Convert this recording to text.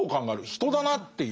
人だなっていう。